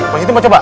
pak siti mau coba